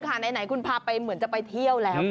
ไหนคุณพาไปเหมือนจะไปเที่ยวแล้ว